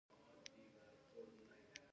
د ژمي په موسم کې هوا سړه او يخه وي.